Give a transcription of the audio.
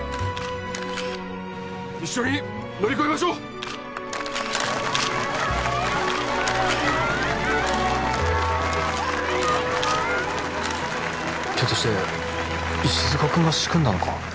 一緒に乗り越えましょうひょっとして石塚君が仕組んだのか？